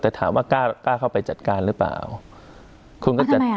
แต่ถามว่ากล้ากล้าเข้าไปจัดการหรือเปล่าคุณก็จะ